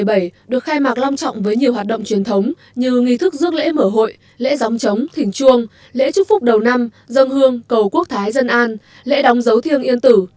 hội xuân yên tử hai nghìn một mươi bảy được khai mạc long trọng với nhiều hoạt động truyền thống như nghị thức dước lễ mở hội lễ gióng trống thỉnh chuông lễ chúc phúc đầu năm dân hương cầu quốc thái dân an lễ đóng dấu thiêng yên tử